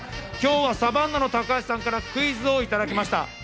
今日はサバンナの高橋さんからクイズをいただきました。